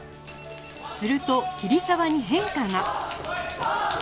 すると桐沢に変化が